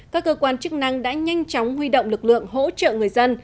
các cơ quan chức năng đã nhanh chóng huy động lực lượng hỗ trợ người dân